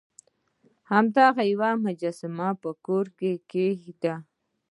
هغه یوه مجسمه په خپل کور کې کیښوده.